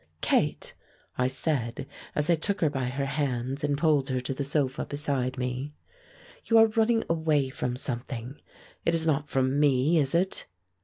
"Kate," I said, as I took her by her hands and pulled her to the sofa beside me, "you are running away from something; it is not from me, is it?"